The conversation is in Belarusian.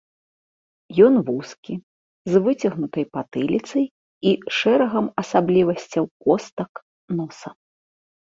Ён вузкі, з выцягнутай патыліцай і шэрагам асаблівасцяў костак носа.